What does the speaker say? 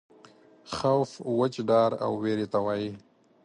خوف وچ ډار او وېرې ته وایي.